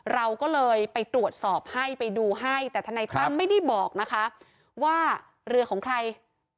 เราก็เลยไปตรวจสอบให้ไปดูให้แต่ทนายตั้มไม่ได้บอกนะคะว่าเรือของใคร